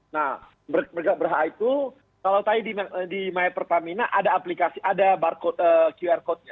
nah mereka berhak itu kalau tadi di my pertamina ada barcode qr codenya